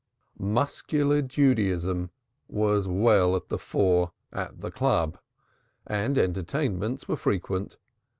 Muscular Judaism was well to the fore at "the Club," and entertainments were frequent.